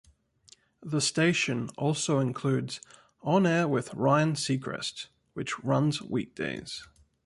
The station also includes "On air with Ryan Seacreast" which runs weekdays.